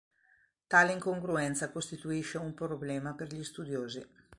Tale incongruenza costituisce un problema per gli studiosi.